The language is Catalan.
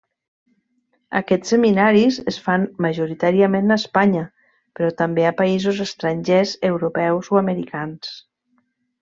Aquests seminaris es fan majoritàriament a Espanya, però també a països estrangers, europeus o americans.